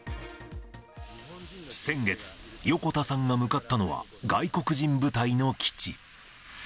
先月、横田さんが向かったのは外国人部隊の基地。